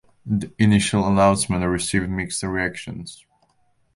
The initial announcement received mixed reactions.